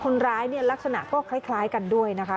คนร้ายเนี่ยลักษณะก็คล้ายกันด้วยนะคะ